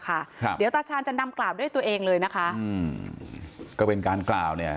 ครับเดี๋ยวตาชาญจะนำกล่าวด้วยตัวเองเลยนะคะอืมก็เป็นการกล่าวเนี่ย